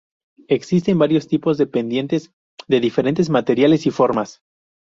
Existen varios tipos de pendientes, de diferentes materiales y formas.